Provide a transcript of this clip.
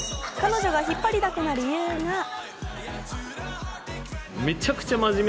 彼女が引っ張りだこな理由が。